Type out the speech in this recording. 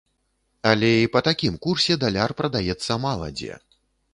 Але і па такім курсе даляр прадаецца мала дзе.